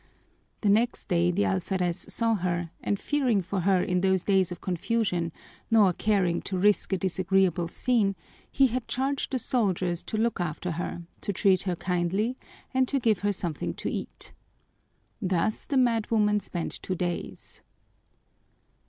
The next day the alferez saw her, and fearing for her in those days of confusion nor caring to risk a disagreeable scene, he had charged the soldiers to look after her, to treat her kindly, and to give her something to eat. Thus the madwoman spent two days.